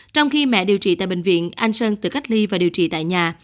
trong khi mẹ điều trị tại bệnh viện anh sơn tự cách ly và điều trị tại nhà